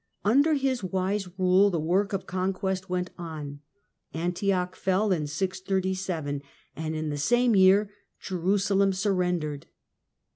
Under his wise rule the work of conquest went on. Antioch fell in 637, and in the same year Jerusalem surrendered.